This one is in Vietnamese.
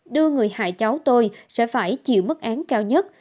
đưa người hại cháu tôi sẽ phải chịu mức án cao nhất